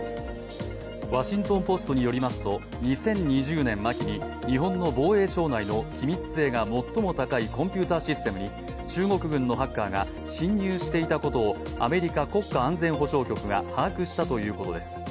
「ワシントン・ポスト」によりますと２０２０年秋に日本の防衛省内の機密性が最も高いコンピューターシステムに中国軍のハッカーが侵入していたことをアメリカ国家安全保障局が把握したということです。